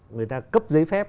người ta cấp giấy phép